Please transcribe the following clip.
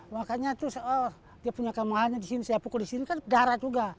makanya terus oh dia punya kemahannya disini saya pukul disini kan darah juga